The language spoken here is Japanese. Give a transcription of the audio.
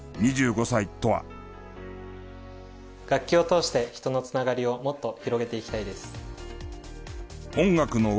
楽器を通して人のつながりをもっと広げていきたいです。